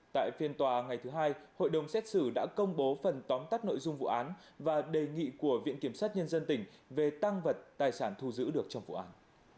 tại phiên tòa ngày thứ hai hội đồng xét xử đã công bố phần tóm tắt nội dung vụ án và đề nghị của viện kiểm sát nhân dân tỉnh về tăng vật tài sản thu giữ được trong vụ án